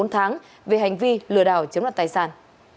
bốn tháng về hành vi lừa đảo chiếm đoạt tài sản